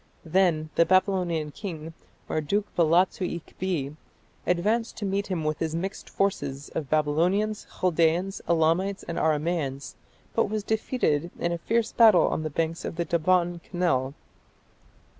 Then the Babylonian king, Marduk balatsu ikbi, advanced to meet him with his mixed force of Babylonians, Chaldaeans, Elamites, and Aramaeans, but was defeated in a fierce battle on the banks of the Daban canal.